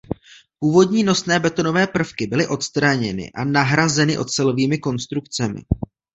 Původní nosné betonové prvky byly odstraněny a nahrazeny ocelovými konstrukcemi.